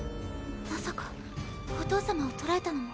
まさかお父様を捕らえたのも。